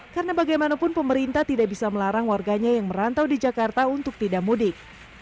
karena bagaimanapun pemerintah tidak bisa melarang warganya yang merantau di jakarta untuk tidak mudik